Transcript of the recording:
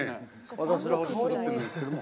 私らが作ってるんですけども。